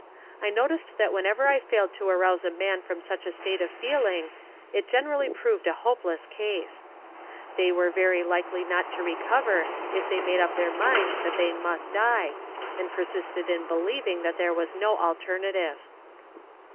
I noticed that whenever I failed to arouse a man from such a state of feeling, it generally proved a hopeless case. They were very likely not to recover if they made up their minds that they must die, and persisted in believing that there was no alternative.